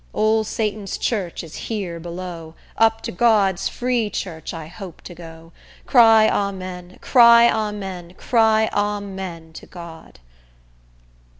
Ole Satan's church is here below. Up to God's free church I hope to go. Cry Amen, cry Amen, cry Amen to God!